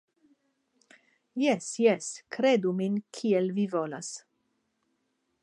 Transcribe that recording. Jes, jes, kredu min kiel vi volas.